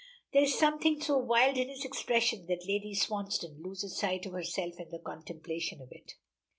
There is something so wild in his expression that Lady Swansdown loses sight of herself in the contemplation of it.